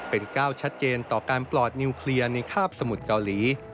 เป็นก้าวชัดเจนต่อการปลอดนิวเคลียร์ในคาบสมุทรเกาหลี